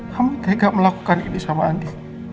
kamu tegak melakukan ini sama andi